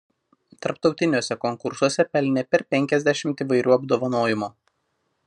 Tarptautiniuose konkursuose pelnė per penkiasdešimt įvairių apdovanojimų.